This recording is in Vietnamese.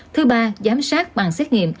thứ ba giám sát bằng xét nghiệm